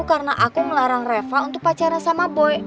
karena aku melarang reva untuk pacaran sama boy